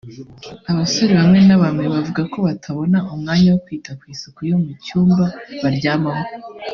Abasore bamwena bamwe bavuga ko batabona umwanya wo kwita ku isuku yo mu cyumba baryamamo